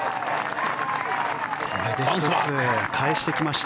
これで１つ、返してきました。